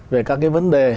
về các vấn đề